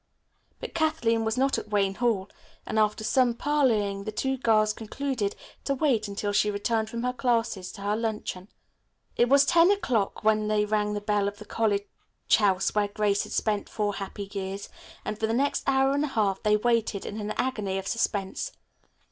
But Kathleen was not at Wayne Hall, and after some parleying the two girls concluded to wait until she returned from her classes to her luncheon. It was ten o'clock when they rang the bell of the college house where Grace had spent four happy years, and for the next hour and a half they waited in an agony of suspense.